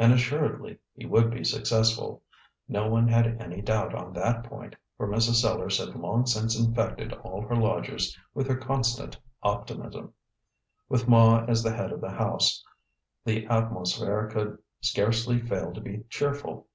And assuredly he would be successful no one had any doubt on that point, for Mrs. Sellars had long since infected all her lodgers with her constant optimism. With Ma as the head of the house, the atmosphere could scarcely fail to be cheerful.